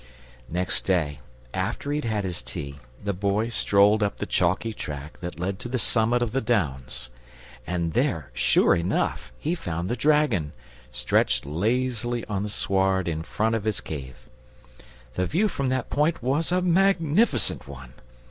Next day, after he'd had his tea, the Boy strolled up the chalky track that led to the summit of the Downs; and there, sure enough, he found the dragon, stretched lazily on the sward in front of his cave. The view from that point was a magnificent one.